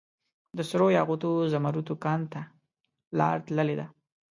دسرو یاقوتو ، زمردو کان ته لار تللي ده